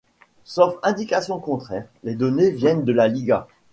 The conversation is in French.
Sauf indication contraire, les données viennent de La Liga.